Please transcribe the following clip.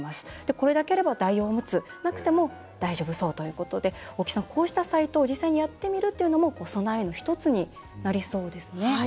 これだけあれば代用おむつがなくても大丈夫そうということでこうしたサイトを実際にやってみることも備えの１つになりそうですね。